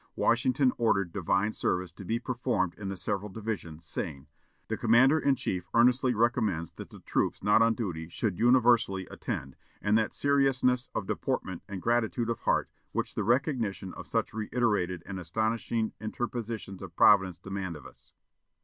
Washington ordered divine service to be performed in the several divisions, saying, "The commander in chief earnestly recommends that the troops not on duty should universally attend, with that seriousness of deportment and gratitude of heart which the recognition of such reiterated and astonishing interpositions of Providence demands of us."